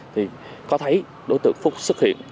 thì có thấy đối tượng phúc xuất hiện